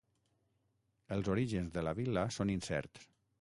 Els orígens de la vil·la són incerts.